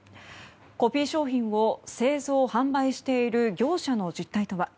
コピー商品を製造・販売している業者の実態とは。